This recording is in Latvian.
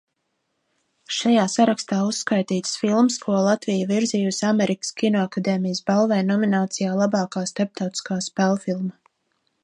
"Šajā sarakstā uzskaitītas filmas, ko Latvija virzījusi Amerikas Kinoakadēmijas balvai nominācijā "Labākā starptautiskā spēlfilma"."